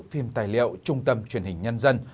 phim tài liệu trung tâm truyền hình nhân dân